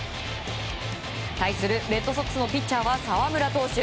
対するレッドソックスのピッチャーは澤村投手。